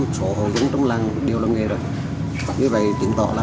sổ hồ vấn trong làng đều làm nghề rồi như vậy chuyển tỏ là